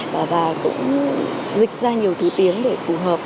và cũng dịch ra nhiều thứ tiếng để phù hợp